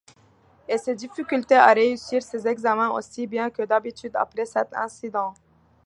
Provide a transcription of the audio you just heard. Et ses difficultés à réussir ses examens aussi bien que d'habitude après cet incident.